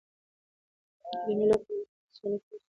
د مېلو پر مهال د هنري سیالیو له لاري استعدادونه رابرسېره کېږي.